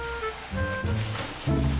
silahkan masuk masuk